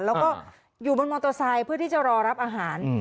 แล้วก็อยู่บนมอเตอร์ไซค์เพื่อที่จะรอรับอาหาร